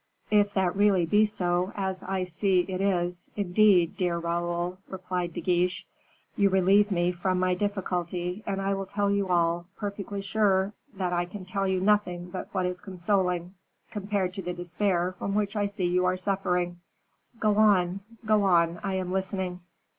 "If that really be so, as I see it is, indeed, dear Raoul," replied De Guiche, "you relieve me from my difficulty, and I will tell you all, perfectly sure that I can tell you nothing but what is consoling, compared to the despair from which I see you suffering." "Go on, go on; I am listening."